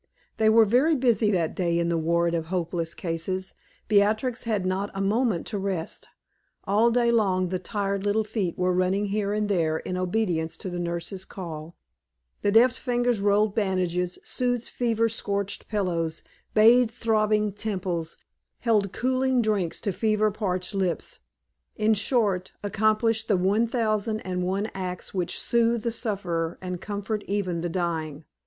They were very busy that day in the ward of hopeless cases. Beatrix had not had a moment to rest. All day long the tired little feet were running here and there in obedience to the nurse's call, the deft fingers rolled bandages, smoothed fever scorched pillows, bathed throbbing temples, held cooling drinks to fever parched lips; in short, accomplished the one thousand and one acts which soothe the sufferer and comfort even the dying.